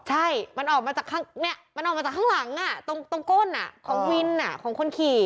ใช่มันออกมาจากข้างหลังอ่ะตรงก้นอ่ะของวินของคนขี่